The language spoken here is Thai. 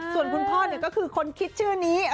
ส่วนคุณพ่อก็คิดชื่อนี้